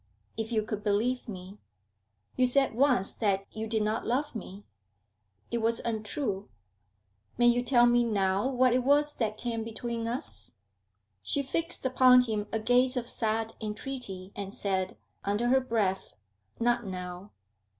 'If you could believe me.' 'You said once that you did not love me.' 'It was untrue.' 'May you tell me now what it was that came between us?' She fixed upon him a gaze of sad entreaty, and said, under her breath, 'Not now.'